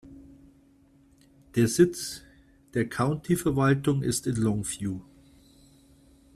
Der Sitz der County-Verwaltung ist in Longview.